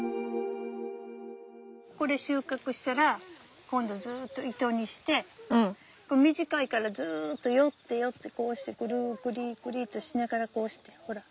これ収穫したら今度ずっと糸にして短いからずっとよってよってこうしてグルグリグリとしながらこうしてほら。